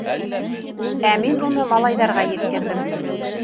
Ә мин уны малайҙарға еткерҙем.